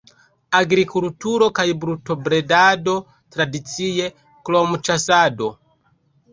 Agrikulturo kaj brutobredado tradicie, krom ĉasado.